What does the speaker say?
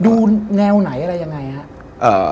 ดูแนวไหนอะไรยังไงอะ